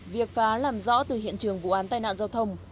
việc phá làm rõ từ hiện trường vụ án tai nạn giao thông